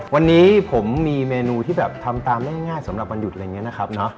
วันนี้ผมมีเมนูที่แบบทำตามได้ง่ายสำหรับวันหยุดอะไรอย่างนี้นะครับ